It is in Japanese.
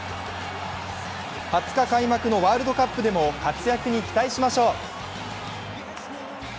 ２０日開幕のワールドカップでも活躍に期待しましょう。